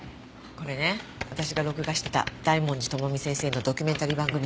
これね私が録画してた大文字智美先生のドキュメンタリー番組なの。